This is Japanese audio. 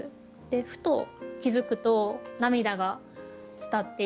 ふと気付くと涙が伝っていた。